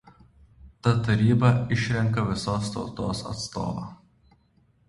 Ta taryba išrenka visos tautos atstovą.